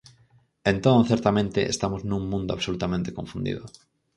Entón, certamente, estamos nun mundo absolutamente confundido.